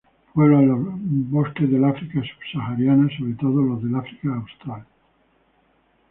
Puebla los bosques del África subsahariana, sobre todo los del África austral.